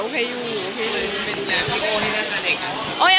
โอเคอยู่โอเคอยู่